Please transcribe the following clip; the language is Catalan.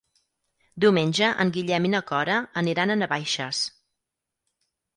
Diumenge en Guillem i na Cora aniran a Navaixes.